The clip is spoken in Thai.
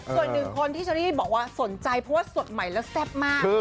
ส่วนหนึ่งคนที่เชอรี่บอกว่าสนใจเพราะว่าสดใหม่แล้วแซ่บมาก